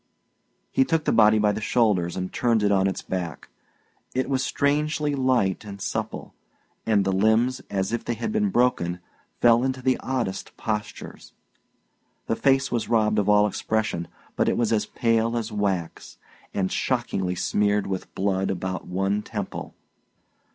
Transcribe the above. He took the body by the shoulders, and turned it on its back. It was strangely light and supple, and the limbs, as if they had been broken, fell into the oddest postures. The face was robbed of all expression; but it was as pale as wax, and shockingly smeared with blood about one temple.